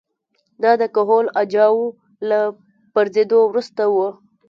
دا د کهول اجاو له پرځېدو وروسته وه